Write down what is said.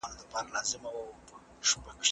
جار يې تر سترګو سـم